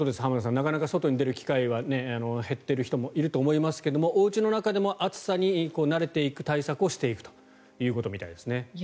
なかなか外に出る機会は減っている人もいると思いますけれどもおうちの中でも暑さに慣れていく対策をしていくということみたいですね。